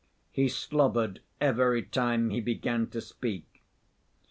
He slobbered every time he began to speak.